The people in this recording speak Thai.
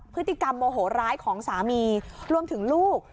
พฤติกรรมโมโหร้ายของสามีรวมถึงลูก